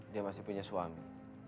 dia masih punya suami